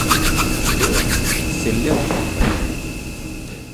Что, силёнки не хватает?